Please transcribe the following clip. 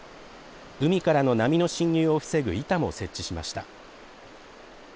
海からの波の侵入を防ぐ板も設置しました。